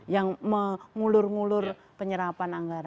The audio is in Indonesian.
yang mengulur ngulur penyerapan anggaran